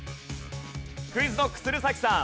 ＱｕｉｚＫｎｏｃｋ鶴崎さん。